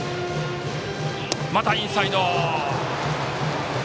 また、インサイド。